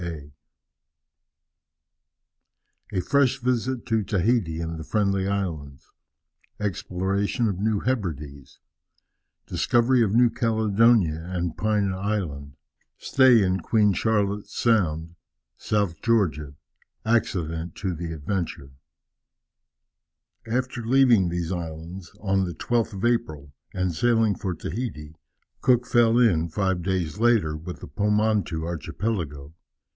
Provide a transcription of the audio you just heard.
A fresh visit to Tahiti and the Friendly Islands Exploration of New Hebrides Discovery of New Caledonia and Pine Island Stay in Queen Charlotte's Sound South Georgia Accident to the Adventure. After leaving these islands, on the 12th of April, and sailing for Tahiti, Cook fell in, five days later, with the Pomotou archipelago.